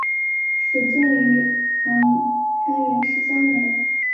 始建于唐开元十三年。